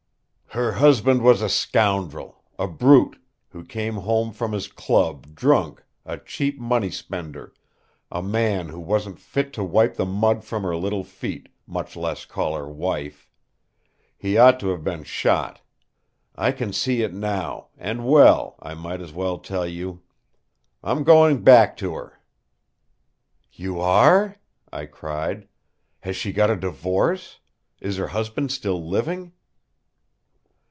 "Her husband was a scoundrel, a brute, who came home from his club drunk, a cheap money spender, a man who wasn't fit to wipe the mud from her little feet, much less call her wife! He ought to have been shot. I can see it, now; and well, I might as well tell you. I'm going back to her!" "You are?" I cried. "Has she got a divorce? Is her husband still living?"